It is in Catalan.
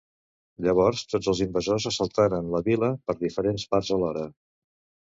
Llavors tots els invasors assaltaren la vila per diferents parts alhora.